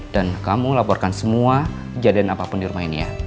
dan kamu laporkan semua kejadian apapun di rumah ini ya